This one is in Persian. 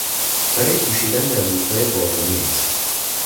برای پوشیدن در روزهای بارانی است.